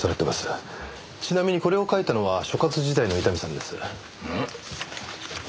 ちなみにこれを書いたのは所轄時代の伊丹さんです。